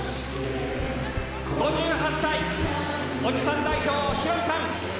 ５８歳、おじさん代表、ヒロミさん。